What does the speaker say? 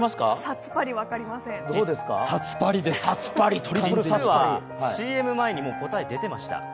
ちなみにＣＭ前に答え出てました。